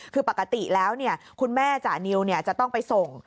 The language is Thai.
คือปกติแล้วคุณแม่จานิวจะต้องไปส่ง